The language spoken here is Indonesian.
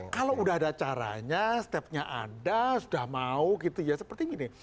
kalau udah ada caranya stepnya ada sudah mau gitu ya seperti gini